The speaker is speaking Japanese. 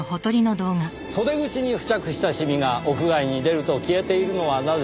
袖口に付着したシミが屋外に出ると消えているのはなぜか？